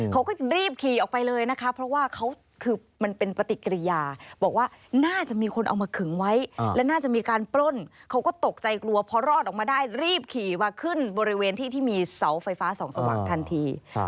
เขาก็รีบขี่ออกไปเลยนะคะเพราะว่าเขาคือมันเป็นปฏิกิริยาบอกว่าน่าจะมีคนเอามาขึงไว้และน่าจะมีการปล้นเขาก็ตกใจกลัวพอรอดออกมาได้รีบขี่มาขึ้นบริเวณที่ที่มีเสาไฟฟ้าส่องสว่างทันที